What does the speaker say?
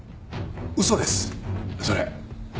嘘ですそれ。